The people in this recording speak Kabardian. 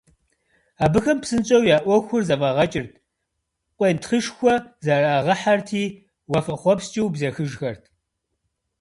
Абыхэм псынщӀэу я Ӏуэхур зэфӀагъэкӀырт, къуентхъышхуэ зыӀэрагъэхьэрти, уафэхъуэпскӀыу бзэхыжхэрт.